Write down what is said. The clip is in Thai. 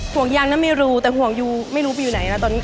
ห่วงยางนั้นไม่รู้แต่ห่วงยูไม่รู้ไปอยู่ไหนนะตอนนี้